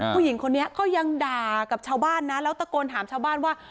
ผู้หญิงคนนี้ก็ยังด่ากับชาวบ้านนะแล้วตะโกนถามชาวบ้านว่า